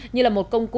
như là một công cụ